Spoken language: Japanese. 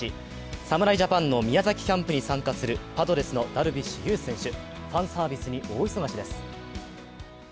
侍ジャパンの宮崎キャンプに参加するパドレスのダルビッシュ有選手、ファンサービスに大忙しです。